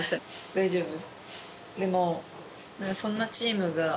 大丈夫？